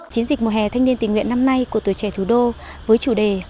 chiến dịch mùa hè thanh niên tình nguyện năm nay của tuổi trẻ thủ đô với chủ đề